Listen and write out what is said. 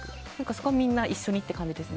そこはみんな一緒にって感じです。